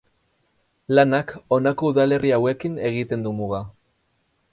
Lanak honako udalerri hauekin egiten du muga.